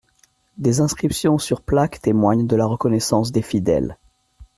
Des inscriptions sur plaques témoignent de la reconnaissance des fidèles.